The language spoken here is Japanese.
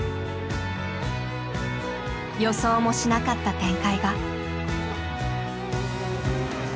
予想もしなかった展開が。